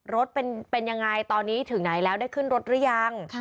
รถเป็นยังไงตอนนี้ถึงไหนแล้วได้ขึ้นรถหรือยัง